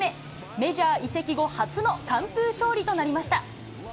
メジャー移籍後、初の完封勝利となりました。